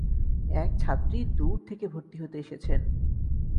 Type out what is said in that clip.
এক ছাত্রী দূর থেকে ভর্তি হতে এসেছেন।